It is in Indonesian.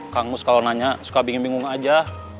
kang mus kalau nanya suka bingung bingung aja